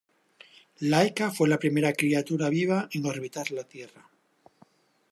Laika fue la primera criatura viva en orbitar la Tierra.